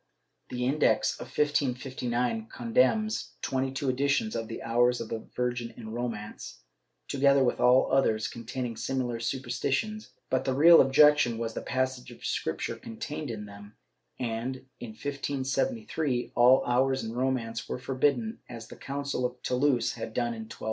The Index of 1559 con demns twenty two editions of the Hours of the Virgin in Romance, together with all others containing similar superstitions, but the real objection was the passages of Scripture contained in them, and, in 1573, all Hours in Romance were forbidden, as the Coun cil of Toulouse had done in 1229.